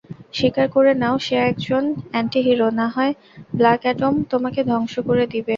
স্বীকার করে নাও সে একজন এন্টিহিরো নাহয় ব্ল্যাক অ্যাডাম তোমাকে ধ্বংস করে দিবে।